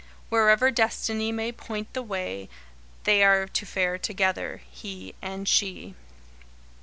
Wherever Destiny may point the way, they are to fare together he and she.